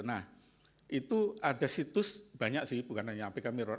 nah itu ada situs banyak sih bukan hanya apk mirror